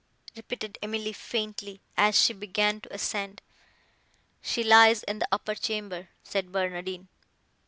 repeated Emily faintly, as she began to ascend. "She lies in the upper chamber," said Barnardine.